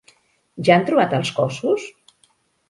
Ja han trobat els cossos?